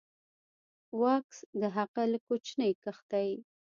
و کس د هغه له کوچنۍ کښتۍ